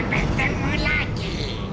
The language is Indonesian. kita bertemu lagi